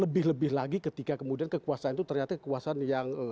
lebih lebih lagi ketika kemudian kekuasaan itu ternyata kekuasaan yang